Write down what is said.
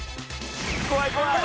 怖い怖い。